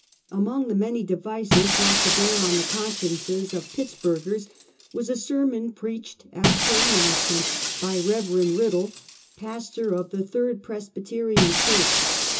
Among the many devices brought to bear on the conscience3 of Pittsburgers,'was a sermon preached, as per announcement, by Rev. Riddle, pastor of the Tliird Presbyterian church.